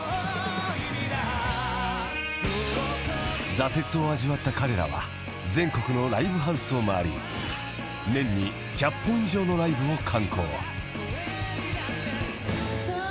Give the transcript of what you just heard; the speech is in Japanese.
［挫折を味わった彼らは全国のライブハウスを回り年に１００本以上のライブを敢行］